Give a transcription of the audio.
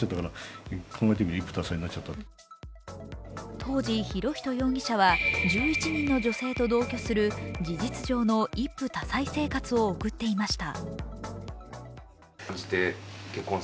当時、博仁容疑者は１１人の女性と同居する事実上の一夫多妻生活を送っていました。